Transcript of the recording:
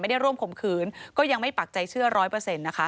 ไม่ได้ร่วมผมขืนก็ยังไม่ปักใจเชื่อ๑๐๐นะคะ